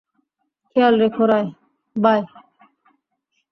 খেয়াল রেখো, বায়।